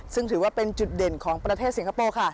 ซึ่งถือว่าเป็นจุดเด่นของประเทศสิงคโปร์ค่ะ